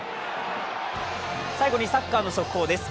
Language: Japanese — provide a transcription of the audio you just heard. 最後にサッカーの速報です。